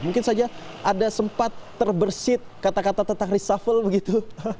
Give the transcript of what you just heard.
mungkin saja ada sempat terbersih kata kata tentang reshuffle begitu